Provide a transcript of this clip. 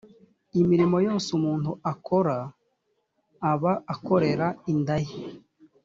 imirimo yose umuntu akora aba akorera inda ye